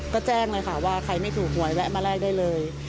ก็แจ้งเลยค่ะว่าใครไม่ถูกหวยแวะมาแรกได้เลย